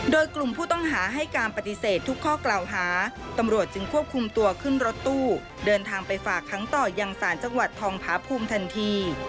โดยกลุ่มผู้ต้องหาให้การปฏิเสธทุกข้อกล่าวหาตำรวจจึงควบคุมตัวขึ้นรถตู้เดินทางไปฝากค้างต่อยังสารจังหวัดทองพาภูมิทันที